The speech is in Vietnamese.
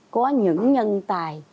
có những nhân tài